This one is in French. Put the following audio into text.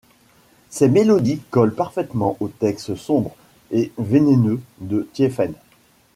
Ses mélodies collent parfaitement aux textes sombres et vénéneux de Thiéfaine.